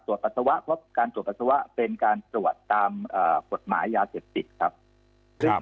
ตรวจปัสสาวะเพราะการตรวจปัสสาวะเป็นการตรวจตามเอ่อกฎหมายยาเศรษฐกฎครับครับ